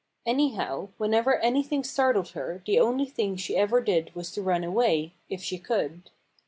Anyhow, whenever anything startled her the only thing she ever did was to run away, if she could.